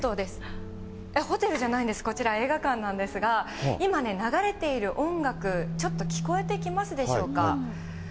ホテルじゃないんです、こちら、映画館なんですが、今ね、流れている音楽、ちょっと聞こえてきますでしょうか。